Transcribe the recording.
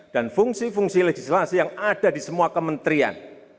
dan fungsi fungsi legislasi yang ada di semua kementerian